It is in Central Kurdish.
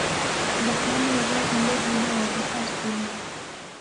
بەخوا منیش وازم لێ هێناوە، با ئاشت بینەوە!